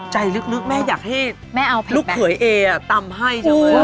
ใจลึกแม่อยากให้ลูกเผยเอ่อตำให้